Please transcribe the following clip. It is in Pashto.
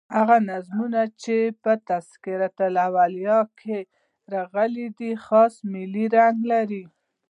هغه نظمونه چي په "تذکرةالاولیاء" کښي راغلي دي خاص ملي رنګ لري.